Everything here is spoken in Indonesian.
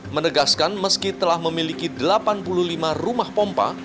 menegaskan meski telah memiliki delapan puluh lima rumah pompa